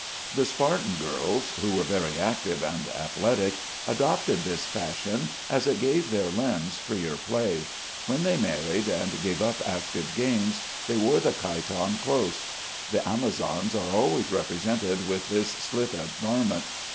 The Spartan girls, who were very active and athletic, adopted this fashion, as it gave their limbs freer play. When they married, and gave up active games, they wore the chiton close. The Amazons are always represented with this slit up garment.